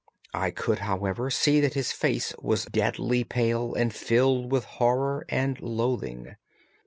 I could, however, see that his face was deadly pale and filled with horror and loathing.